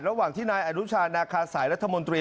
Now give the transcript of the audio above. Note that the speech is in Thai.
ระหว่างที่นายอนุชานาคาสายรัฐมนตรี